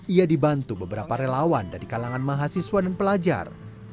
ia dibantu beberapa relawan dari kalangan mahasiswa dan pelajar